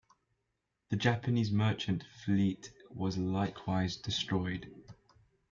The Japanese merchant fleet was likewise destroyed.